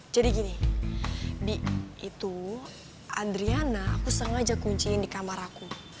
jadi gini bi itu adriana aku sengaja kuncin di kamar aku